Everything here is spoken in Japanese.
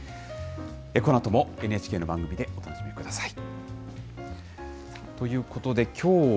このあともＮＨＫの番組でお楽しみください。